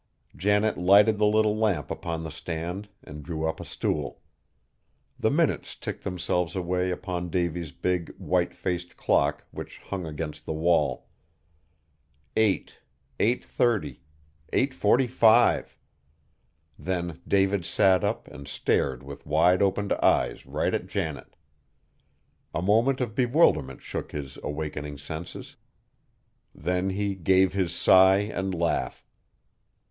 Janet lighted the little lamp upon the stand, and drew up a stool. The minutes ticked themselves away upon Davy's big, white faced clock which hung against the wall. Eight, eight thirty, eight forty five! Then David sat up and stared with wide opened eyes right at Janet. A moment of bewilderment shook his awakening senses; then he gave his sigh and laugh.